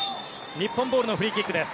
日本ボールのフリーキックです。